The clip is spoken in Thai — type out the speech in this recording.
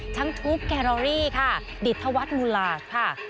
ทั้งทูปแกรอรี่ค่ะดิธวัฒน์มูลากค่ะ